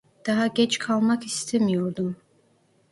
Daha geç kalmak istemiyordum.